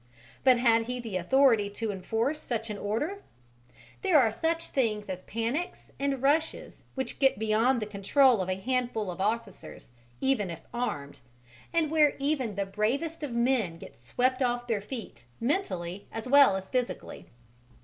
But had he the authority to enforce such an order? There are such things as panics and rushes which get beyond the control of a handful of officers, even if armed, and where even the bravest of men get swept off their feet mentally as well as physically.